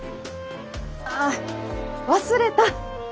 あ忘れた。